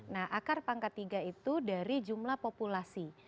nah akar pangkat tiga itu dari jumlah populasi